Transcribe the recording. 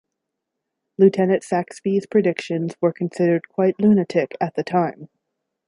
Lieutenant Saxby's predictions were considered quite lunatic at the time.